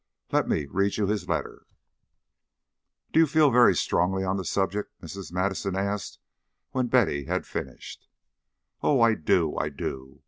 Let me read you his letter." "Do you feel very strongly on the subject?" Mrs. Madison asked when Betty had finished. "Oh, I do! I do!